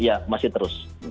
iya masih terus